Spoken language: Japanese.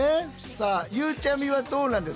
さあゆうちゃみはどうなんですか？